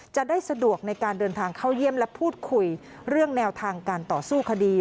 จะได้สะดวกในการเดินทางเข้าเยี่ยมและพูดคุยเรื่องแนวทางการต่อสู้คดี